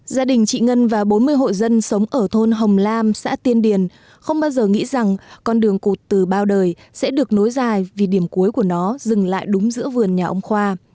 gia đình chị ngân và bốn mươi hộ dân sống ở thôn hồng lam xã tiên điền không bao giờ nghĩ rằng con đường cụt từ bao đời sẽ được nối dài vì điểm cuối của nó dừng lại đúng giữa vườn nhà ông khoa